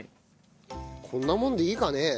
こんなもんでいいかね？